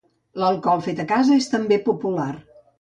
L'alcohol fet a casa és també popular.